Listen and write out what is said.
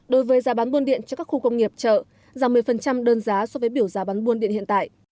đối với giá bán buôn điện cho các khu công nghiệp chợ giảm một mươi đơn giá so với biểu giá bán buôn điện hiện tại